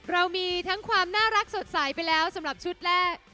เรามีทั้งความน่ารักสดใสไปแล้วสำหรับชุดแรก